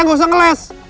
nggak usah ngeles